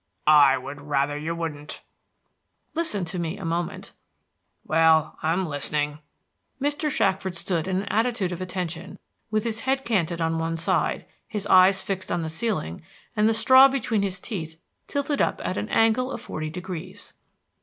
"I would rather you wouldn't." "Listen to me a moment." "Well, I'm listening." Mr. Shackford stood in an attitude of attention, with his head canted on one side, his eyes fixed on the ceiling, and the straw between his teeth tilted up at an angle of forty degrees.